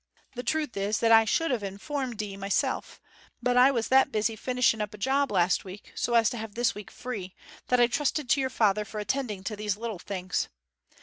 The truth is that I should have informed 'ee myself, but I was that busy finishing up a job last week, so as to have this week free, that I trusted to your father for attending to these little things.